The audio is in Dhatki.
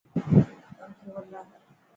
پنکو هلا.